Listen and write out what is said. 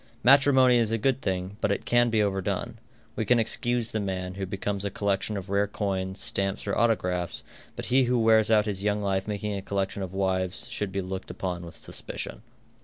Matrimony is a good thing, but it can be overdone. We can excuse the man who becomes a collection of rare coins, stamps, or autographs, but he who wears out his young life making a collection of wives, should be looked upon with suspicion.